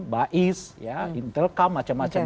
bais intel kam macam macam